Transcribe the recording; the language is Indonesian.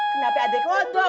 kenapa ada kodok